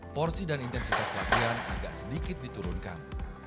porsi dan intensitas latihan agak sedikit diturunkan